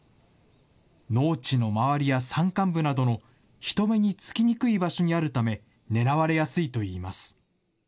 農地の周りや山間部などの人目につきにくい場所にあるため、狙われやすいといいます。